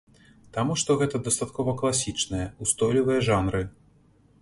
Таму што гэта дастаткова класічныя, устойлівыя жанры.